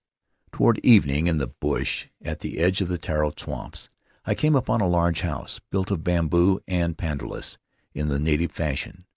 Toward evening, in the bush at the edge of the taro swamps, I came upon a large house, built of bamboo and pandanus in the native fashion.